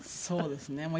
そうですね。